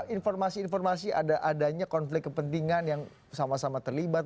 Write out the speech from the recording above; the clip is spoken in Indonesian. informasi informasi adanya konflik kepentingan yang sama sama terlibat